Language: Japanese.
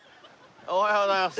おはようございます。